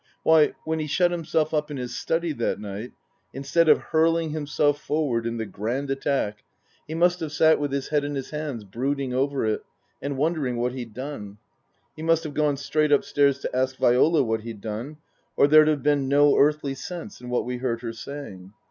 Why, when he shut himself up in his study that night, instead of hurling himself forward in the Grand Attack, he must have sat with his head in his hands brooding over it and wondering what he'd done ; he must have gone straight upstairs to ask Viola what he'd done, or there'd have been no earthly sense in what we heard her saying.